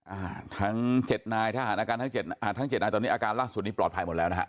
อ่าทั้ง๗นายอาการทั้ง๗นายตอนนี้อาการร่างสุดนี้ปลอดภัยหมดแล้วนะฮะ